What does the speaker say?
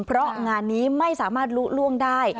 เพราะงานนี้ไม่สามารถลุล่วงได้